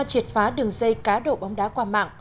triệt phá đường dây cá độ bóng đá qua mạng